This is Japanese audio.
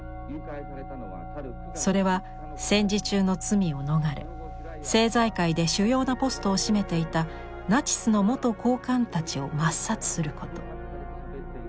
それは戦時中の罪を逃れ政財界で主要なポストを占めていたナチスの元高官たちを抹殺すること。